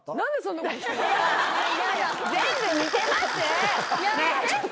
全部似てます！